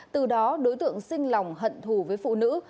từ đó đối tượng xinh lòng hận thù với phụ nữ